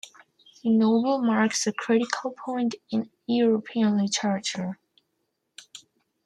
The novel marks a critical point in European literature.